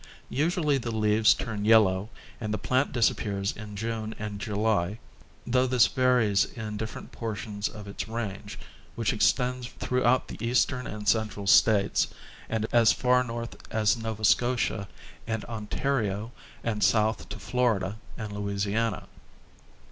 Usually the leaves turn yellow and the plant disappears in June and July, though this varies in dififereni: porrions of its range, which extends throughout the Eastern and Central states, as far north as Nova Scotia and Ontario and south to Florida and Louisiana.